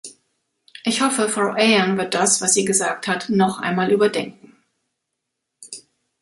Ich hoffe, Frau Ahern wird das, was sie gesagt hat, noch einmal überdenken.